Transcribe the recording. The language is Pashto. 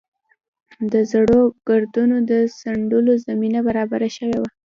د زړو ګردونو د څنډلو زمینه برابره شوې وه.